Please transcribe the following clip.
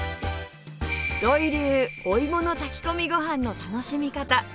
土井流お芋の炊き込みご飯の楽しみ方